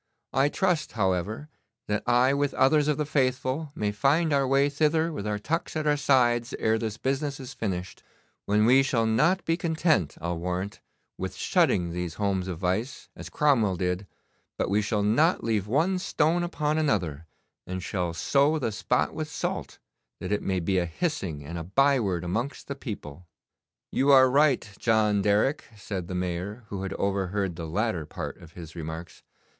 I trust, however, that I with others of the faithful may find our way thither with our tucks at our sides ere this business is finished, when we shall not be content, I'll warrant, with shutting these homes of vice, as Cromwell did, but we shall not leave one stone upon another, and shall sow the spot with salt, that it may be a hissing and a byword amongst the people.' 'You are right, John Derrick,' said the Mayor, who had overheard the latter part of his remarks.